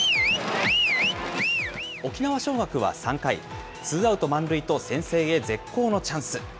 沖縄尚学は３回、ツーアウト満塁と先制へ絶好のチャンス。